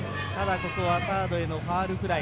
ここはサードへのファウルフライ。